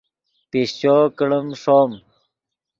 پیشچو کڑیم ݰوم